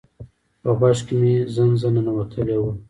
په غوږ کی می زنځه ننوتلی وه